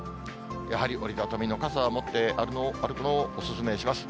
やはり折り畳みの傘は、持って歩くのをお勧めします。